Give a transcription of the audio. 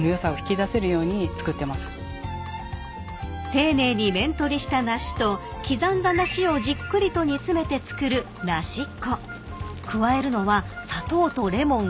［丁寧に面取りした梨と刻んだ梨をじっくりと煮詰めて作る梨っ娘］